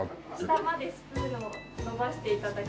下までスプーンを伸ばして頂けると。